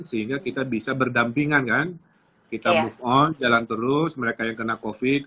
sehingga kita bisa berdampingan kan kita move on jalan terus mereka yang kena covid